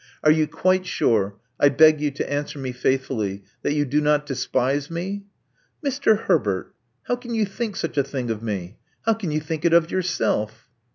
Are you quite sure — I beg you to answer me faithfully — that you do not despise me?" Mr. Herbert! How can you think such a thing of me? How can you think it of yourself?"